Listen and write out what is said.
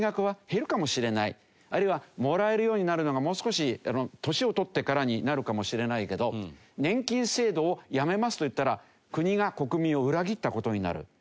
あるいはもらえるようになるのがもう少し年を取ってからになるかもしれないけど年金制度をやめますといったら国が国民を裏切った事になる。